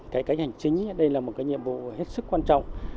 cải cách hành chính đây là một nhiệm vụ hết sức quan trọng